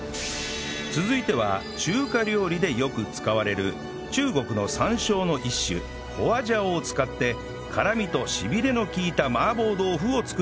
続いては中華料理でよく使われる中国の山椒の一種花椒を使って辛みとしびれの利いた麻婆豆腐を作ります